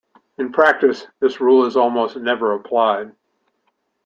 In practise this rule is almost never applied.